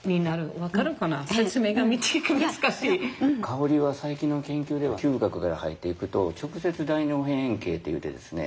香りは最近の研究では嗅覚から入っていくと直接大脳辺縁系っていってですね